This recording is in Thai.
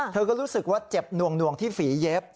เธอก็รู้สึกว่าเจ็บหน่วงที่ฝีเย็บ